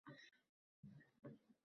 Ot boshini shartta burib